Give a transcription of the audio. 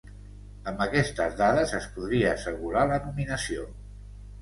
Amb aquestes dades es podria assegurar la nominació.